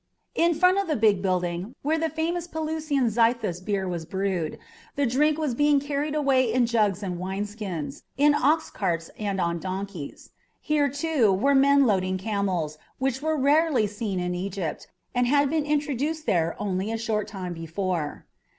In front of the big building where the famous Pelusinian xythus beer was brewed, the drink was being carried away in jugs and wineskins, in ox carts and on donkeys. Here, too, men were loading camels, which were rarely seen in Egypt, and had been introduced there only a short time before.